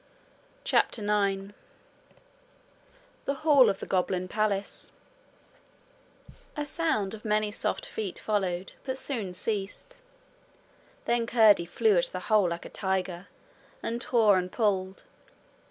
CHAPTER 9 The Hall of the Goblin Palace A sound of many soft feet followed, but soon ceased. Then Curdie flew at the hole like a tiger, and tore and pulled.